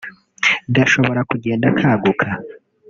gashobora kugenda kaguka